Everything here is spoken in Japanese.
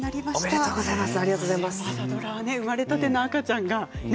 ありがとうございます。